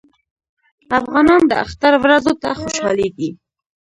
افغانان د اختر ورځو ته خوشحالیږي.